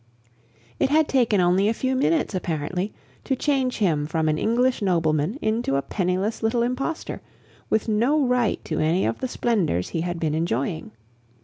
It had taken only a few minutes, apparently, to change him from an English nobleman into a penniless little impostor, with no right to any of the splendors he had been enjoying.